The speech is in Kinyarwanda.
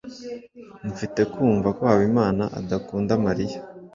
Mfite kumva ko Habimana adakunda Mariya.